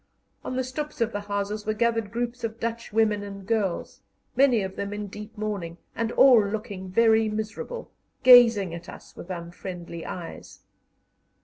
On the stoeps of the houses were gathered groups of Dutch women and girls, many of them in deep mourning, and all looking very miserable, gazing at us with unfriendly eyes.